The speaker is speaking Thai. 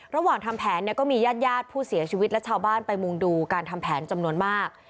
ระหว่างทำแผนก็มีญาติผู้เสียชีวิตและชาวบ้านไปมุ่งดูการทำแผนจำนวนมาก